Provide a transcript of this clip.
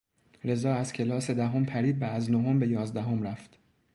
رضا از کلاس دهم پرید و از نهم به یازدهم رفت.